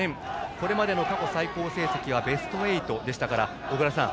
これまでの過去最高成績はベスト８でしたから小倉さん